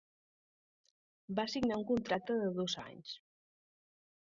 Va signar un contracte de dos anys.